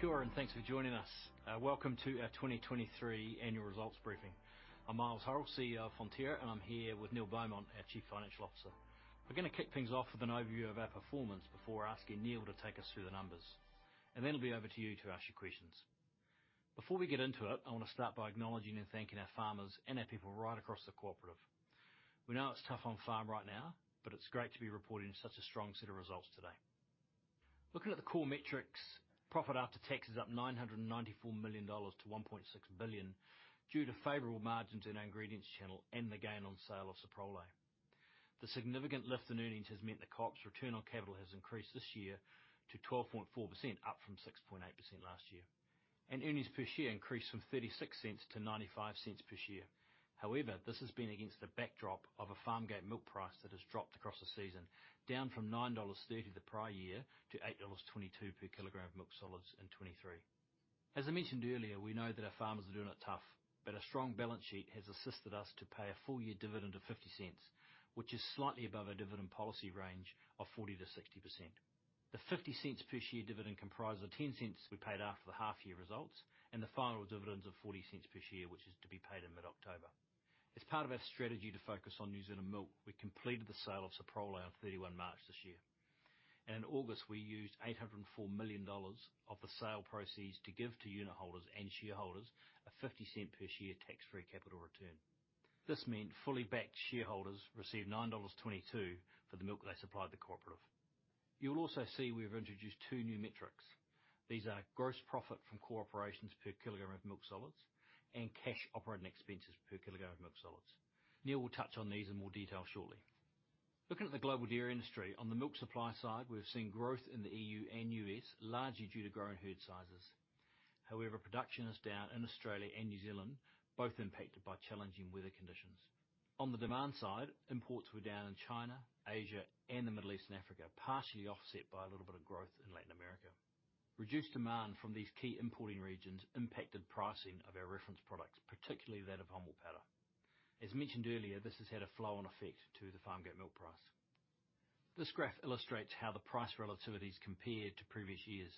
Kia ora, and thanks for joining us. Welcome to our 2023 annual results briefing. I'm Miles Hurrell, CEO of Fonterra, and I'm here with Neil Beaumont, our Chief Financial Officer. We're gonna kick things off with an overview of our performance before asking Neil to take us through the numbers, and then it'll be over to you to ask your questions. Before we get into it, I wanna start by acknowledging and thanking our farmers and our people right across the cooperative. We know it's tough on farm right now, but it's great to be reporting such a strong set of results today. Looking at the core metrics, profit after tax is up 994 million dollars to 1.6 billion, due to favorable margins in our Ingredients channel and the gain on sale of Soprole. The significant lift in earnings has meant the co-op's Return on Capital has increased this year to 12.4%, up from 6.8% last year, and earnings per share increased from 0.36 to 0.95 per share. However, this has been against the backdrop of a Farmgate Milk Price that has dropped across the season, down from 9.30 dollars the prior year to 8.22 dollars per kilogram of milk solids in 2023. As I mentioned earlier, we know that our farmers are doing it tough, but a strong balance sheet has assisted us to pay a full year dividend of 50 cents, which is slightly above our dividend policy range of 40% to 60%. The 0.50 per share dividend comprises 0.10 we paid after the half year results, and the final dividend of 0.40 per share, which is to be paid in mid-October. As part of our strategy to focus on New Zealand milk, we completed the sale of Soprole on March 31st this year, and in August, we used 804 million dollars of the sale proceeds to give to unitholders and shareholders a 0.50 per share tax-free capital return. This meant fully backed shareholders received 9.22 dollars for the milk they supplied the cooperative. You'll also see we've introduced two new metrics. These are: Gross Profit from Core Operations per kg of milk solids and Cash Operating Expenses per kg of milk solids. Neil will touch on these in more detail shortly. Looking at the global dairy industry, on the milk supply side, we've seen growth in the E.U. and U.S., largely due to growing herd sizes. However, production is down in Australia and New Zealand, both impacted by challenging weather conditions. On the demand side, imports were down in China, Asia, and the Middle East and Africa, partially offset by a little bit of growth in Latin America. Reduced demand from these key importing regions impacted pricing of our reference products, particularly that of whole milk powder. As mentioned earlier, this has had a flow-on effect to the Farmgate Milk Price. This graph illustrates how the price relativities compare to previous years.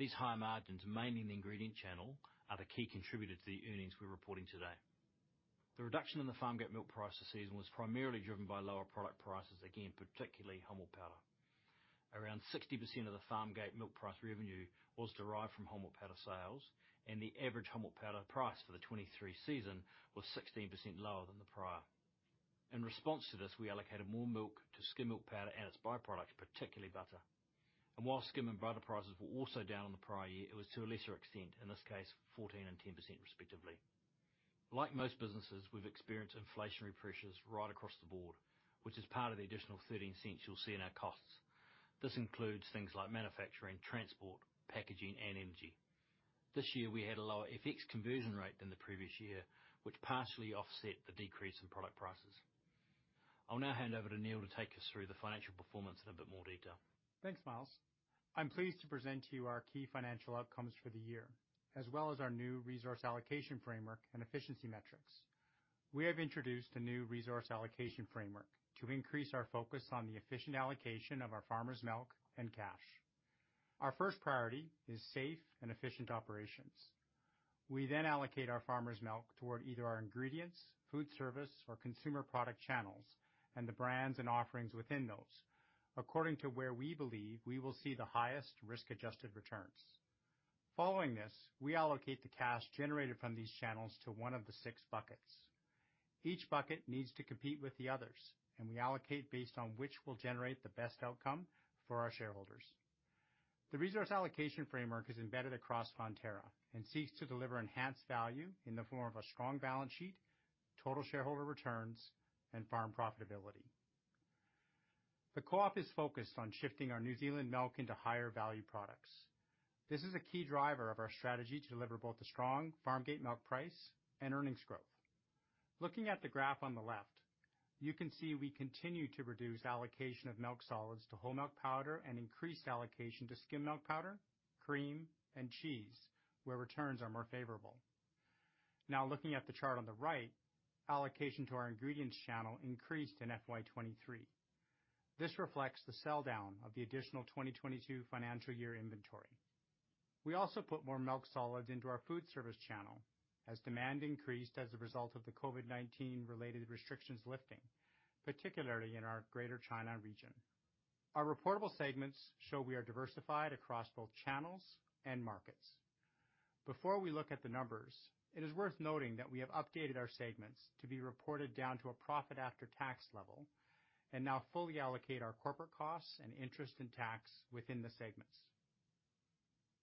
These higher margins, mainly in the Ingredients channel, are the key contributor to the earnings we're reporting today. The reduction in the Farmgate Milk Price this season was primarily driven by lower product prices, again, particularly Whole Milk Powder. Around 60% of the Farmgate Milk Price revenue was derived from Whole Milk Powder sales, and the average Whole Milk Powder price for the 2023 season was 16% lower than the prior. In response to this, we allocated more milk to Skim Milk Powder and its byproducts, particularly butter, and while skim and butter prices were also down on the prior year, it was to a lesser extent, in this case, 14% and 10% respectively. Like most businesses, we've experienced inflationary pressures right across the board, which is part of the additional 0.13 you'll see in our costs. This includes things like manufacturing, transport, packaging, and energy. This year, we had a lower FX conversion rate than the previous year, which partially offset the decrease in product prices. I'll now hand over to Neil to take us through the financial performance in a bit more detail. Thanks, Miles. I'm pleased to present to you our key financial outcomes for the year, as well as our new Resource Allocation Framework and efficiency metrics. We have introduced a new Resource Allocation Framework to increase our focus on the efficient allocation of our farmers' milk and cash. Our first priority is safe and efficient operations. We then allocate our farmers' milk toward either our Ingredients, Foodservice, or Consumer channels, and the brands and offerings within those, according to where we believe we will see the highest risk-adjusted returns. Following this, we allocate the cash generated from these channels to one of the six buckets. Each bucket needs to compete with the others, and we allocate based on which will generate the best outcome for our shareholders. The Resource Allocation Framework is embedded across Fonterra and seeks to deliver enhanced value in the form of a strong balance sheet, total shareholder returns, and farm profitability. The co-op is focused on shifting our New Zealand milk into higher value products. This is a key driver of our strategy to deliver both a strong Farmgate Milk Price and earnings growth. Looking at the graph on the left, you can see we continue to reduce allocation of milk solids to Whole Milk Powder and increased allocation to Skim Milk Powder, cream, and cheese, where returns are more favorable. Now, looking at the chart on the right, allocation to our Ingredients channel increased in FY 2023. This reflects the sell-down of the additional 2022 financial year inventory. We also put more milk solids into our Foodservice channel as demand increased as a result of the COVID-19-related restrictions lifting, particularly in our Greater China region. Our reportable segments show we are diversified across both channels and markets. Before we look at the numbers, it is worth noting that we have updated our segments to be reported down to a profit after tax level and now fully allocate our corporate costs and interest and tax within the segments.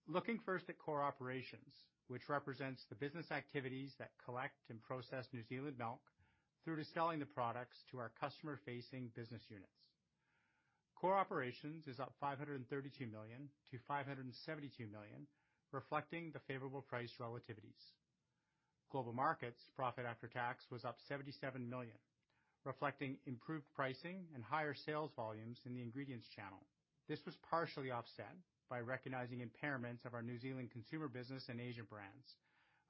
Looking first at Core Operations, which represents the business activities that collect and process New Zealand milk through to selling the products to our customer-facing business units. Core operations is up 532 million to 572 million, reflecting the favorable price relativities. Global markets' profit after tax was up 77 million, reflecting improved pricing and higher sales volumes in the Ingredients channel. This was partially offset by recognizing impairments of our New Zealand consumer business and Asia brands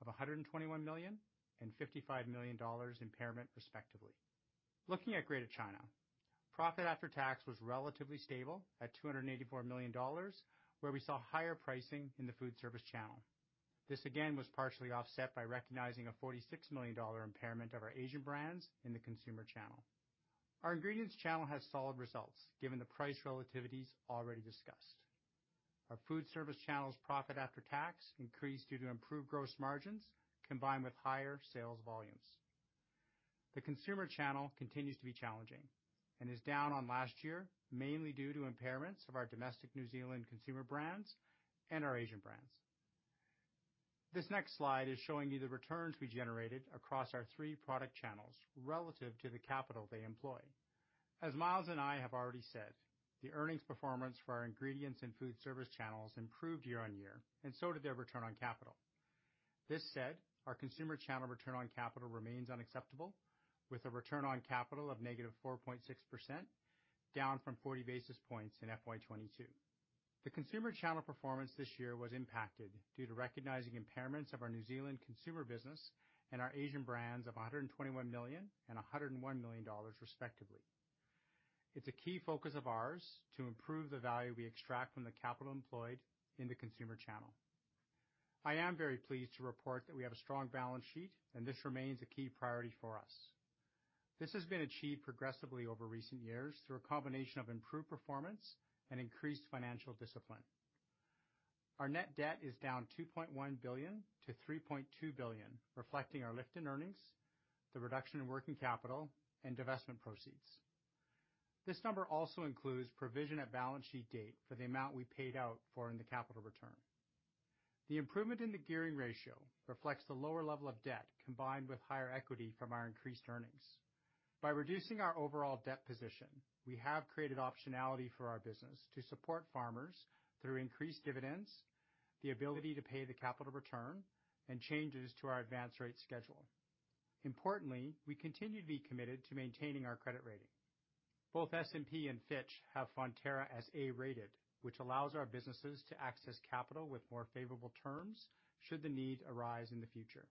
of 121 million and 55 million impairment, respectively. Looking at Greater China, profit after tax was relatively stable at 284 million dollars, where we saw higher pricing in the Foodservice channel. This again, was partially offset by recognizing a 46 million dollar impairment of our Asian brands in the consumer channel. Our ingredients channel has solid results, given the price relativities already discussed. Our Foodservice channel's profit after tax increased due to improved gross margins, combined with higher sales volumes. The consumer channel continues to be challenging and is down on last year, mainly due to impairments of our domestic New Zealand consumer brands and our Asian brands. This next slide is showing you the returns we generated across our three product channels relative to the capital they employ. As Miles and I have already said, the earnings performance for our Ingredients and Foodservice channels improved year-on-year, and so did their return on capital. This said, our Consumer channel return on capital remains unacceptable, with a return on capital of -4.6%, down from 40 basis points in FY 2022. The Consumer channel performance this year was impacted due to recognizing impairments of our New Zealand Consumer business and our Asian brands of 121 million and 101 million dollars, respectively. It's a key focus of ours to improve the value we extract from the capital employed in the Consumer channel. I am very pleased to report that we have a strong balance sheet, and this remains a key priority for us. This has been achieved progressively over recent years through a combination of improved performance and increased financial discipline. Our net debt is down 2.1 billion to 3.2 billion, reflecting our lift in earnings, the reduction in working capital, and divestment proceeds. This number also includes provision at balance sheet date for the amount we paid out for in the capital return. The improvement in the gearing ratio reflects the lower level of debt, combined with higher equity from our increased earnings. By reducing our overall debt position, we have created optionality for our business to support farmers through increased dividends, the ability to pay the capital return, and changes to our advance rate schedule. Importantly, we continue to be committed to maintaining our credit rating. Both S&P and Fitch have Fonterra as A-rated, which allows our businesses to access capital with more favorable terms should the need arise in the future.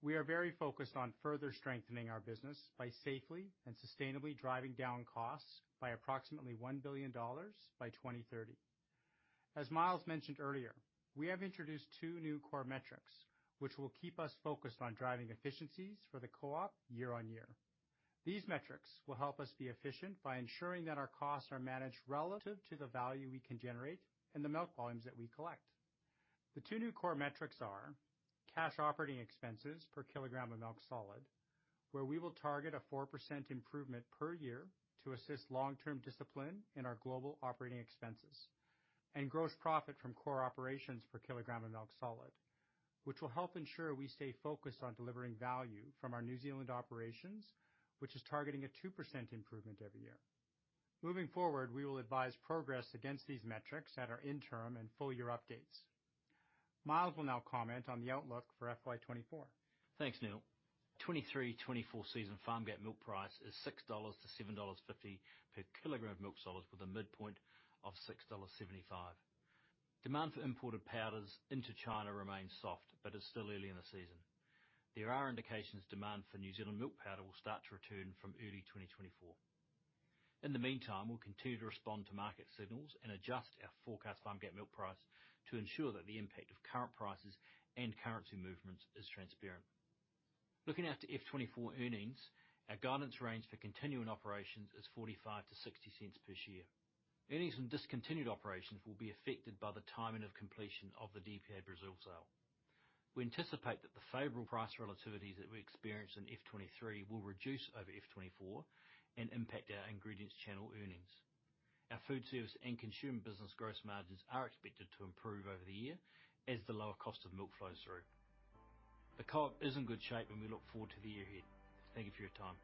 We are very focused on further strengthening our business by safely and sustainably driving down costs by approximately 1 billion dollars by 2030. As Miles mentioned earlier, we have introduced two new core metrics, which will keep us focused on driving efficiencies for the co-op year-on-year. These metrics will help us be efficient by ensuring that our costs are managed relative to the value we can generate and the milk volumes that we collect. The two new core metrics are: Cash Operating Expenses per kg of milk solids, where we will target a 4% improvement per year to assist long-term discipline in our global operating expenses, and Gross Profit from Core Operations per kilogram of milk solids, which will help ensure we stay focused on delivering value from our New Zealand operations, which is targeting a 2% improvement every year. Moving forward, we will advise progress against these metrics at our interim and full-year updates. Miles will now comment on the outlook for FY 2024. Thanks, Neil. 2023/2024 season Farmgate Milk Price is 6.00 dollars to 7.50 per kg of milk solids, with a midpoint of 6.75 dollars. Demand for imported powders into China remains soft, but it is still early in the season. There are indications demand for New Zealand milk powder will start to return from early 2024. In the meantime, we'll continue to respond to market signals and adjust our forecast Farmgate Milk Price to ensure that the impact of current prices and currency movements is transparent. Looking out to FY 2024 earnings, our guidance range for continuing operations is 0.45 to 0.60 per share. Earnings from discontinued operations will be affected by the timing of completion of the DPA Brazil sale. We anticipate that the favorable price relativities that we experienced in FY 2023 will reduce over FY 2024 and impact our Ingredients channel earnings. Our Foodservice and Consumer business gross margins are expected to improve over the year as the lower cost of milk flows through. The co-op is in good shape, and we look forward to the year ahead. Thank you for your time.